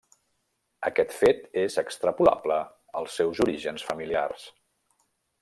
Aquest fet és extrapolable als seus orígens familiars.